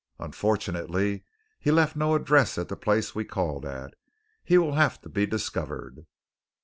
Unfortunately, he left no address at the place we called at. He will have to be discovered."